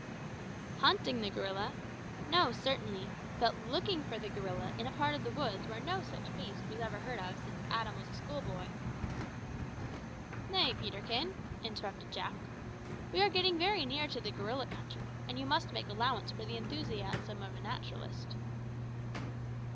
"Hunting the gorilla? no, certainly; but looking for the gorilla in a part of the woods where no such beast was ever heard of since Adam was a schoolboy " "Nay, Peterkin," interrupted Jack; "we are getting very near to the gorilla country, and you must make allowance for the enthusiasm of a naturalist."